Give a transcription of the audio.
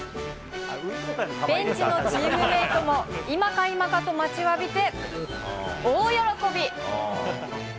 ベンチのチームメートも、今か今かと待ちわびて、大喜び。